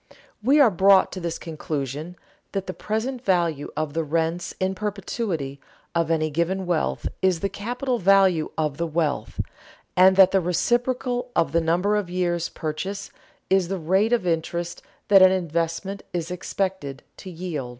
We are brought to this conclusion: that the present value of the rents in perpetuity, of any given wealth, is the capital value of the wealth; and that the reciprocal of the number of years' purchase is the rate of interest that an investment is expected to yield.